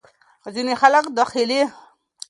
ځینې خلک دا اخلي.